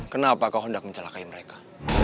kenapa kau hendak mencelakai mereka